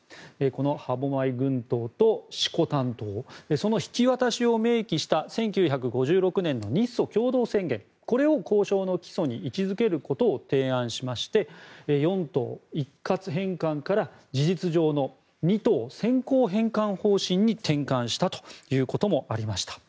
この歯舞群島と色丹島その引き渡しを明記した１９５６年の日ソ共同宣言これを交渉の基礎に位置付けることを提案しまして４島一括返還から事実上の２島先行返還方針に転換したということもありました。